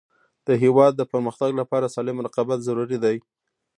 د هیواد د پرمختګ لپاره سالم رقابت ضروري دی.